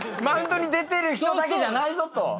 マウンドに出てる人だけじゃないぞと。